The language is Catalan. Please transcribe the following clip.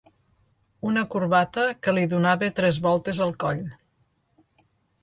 Una corbata que li donava tres voltes al coll